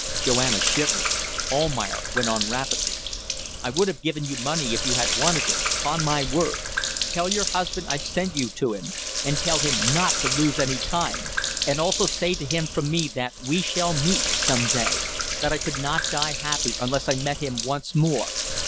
Joanna shivered. Almayer went on rapidly "I would have given you money if you had wanted it. 'Pon my word! Tell your husband I've sent you to him. And tell him not to lose any time. And also say to him from me that we shall meet some day. That I could not die happy unless I met him once more.